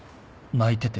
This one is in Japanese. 泣いてて。